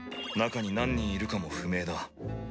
中に何人いるかも不明だ。